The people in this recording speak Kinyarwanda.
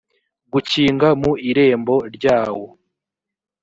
gukinga mu irembo ryarwo